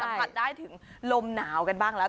ผัดได้ถึงลมหนาวกันบ้างแล้ว